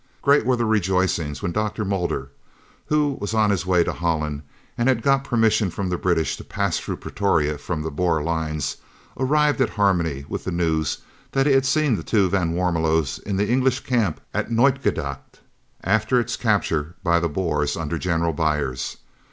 Great were the rejoicings when Dr. Mulder, who was on his way to Holland, and had got permission from the British to pass through Pretoria from the Boer lines, arrived at Harmony with the news that he had seen the two van Warmelos in the English camp at Nooitgedacht, after its capture by the Boers under General Beyers.